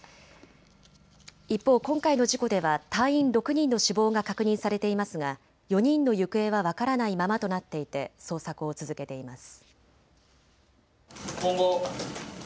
一方、今回の事故では隊員６人の死亡が確認されていますが４人の行方は分からないままとなっていて捜索を続けています。